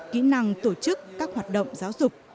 kỹ năng tổ chức các hoạt động giáo dục